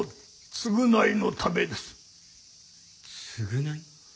償い？